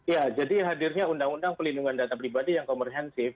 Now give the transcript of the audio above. ya jadi hadirnya undang undang pelindungan data pribadi yang komprehensif